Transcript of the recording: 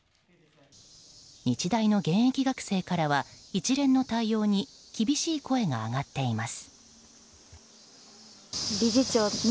日大の現役学生からは一連の対応に厳しい声が上がっています。